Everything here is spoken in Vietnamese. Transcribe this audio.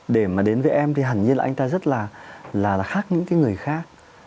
để mà đến với em thì hẳn như là anh ta rất là khác những người khác